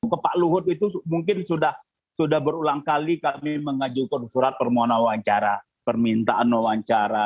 ke pak luhut itu mungkin sudah berulang kali kami mengajukan surat permohonan wawancara permintaan wawancara